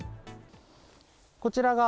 こちらが、